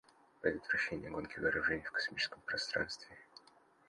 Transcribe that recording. Предотвращение гонки вооружений в космическом пространстве.